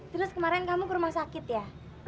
terus kemarin kamu ke rumah sakit ya